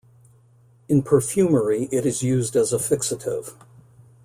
In perfumery it is used as a fixative.